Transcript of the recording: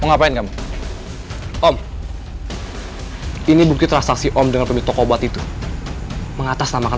ngapain kamu om ini bukti transaksi om dengan pemilik toko obat itu mengatasnamakan